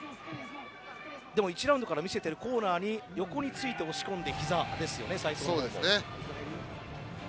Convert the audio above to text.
でも１ラウンドから見せているコーナーに横に押し込んで、ひざですよね。